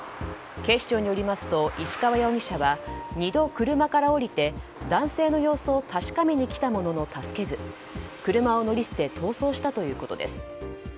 警視庁によりますと石川容疑者は２度車から降りて、男性の様子を確かめに来たものの助けず車を乗り捨て逃走したということです。